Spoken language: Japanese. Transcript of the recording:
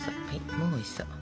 もうおいしそう。